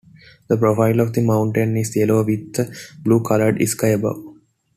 The profile of the mountain is yellow with a blue-colored sky above.